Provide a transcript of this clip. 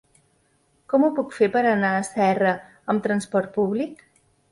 Com ho puc fer per anar a Serra amb transport públic?